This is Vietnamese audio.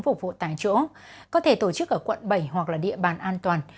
phục vụ tài chỗ có thể tổ chức ở quận bảy hoặc địa bàn an toàn